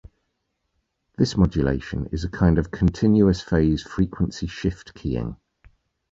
This modulation is a kind of continuous-phase frequency shift keying.